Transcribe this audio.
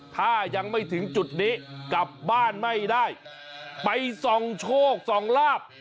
ถ้ายังไม่ถึงจุดนี้กลับบ้านไม่ได้ไปส่องโชคส่องลาบ